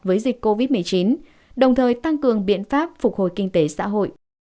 với dịch covid một mươi chín đồng thời tăng cường biện pháp phục hồi kinh tế xã hội